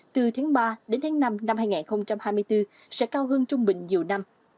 từ tháng ba đến tháng năm năm hai nghìn hai mươi bốn sẽ cao hơn trung bình nhiều năm